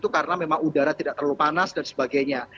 karena memang udara tidak terlalu panas dan sebagainya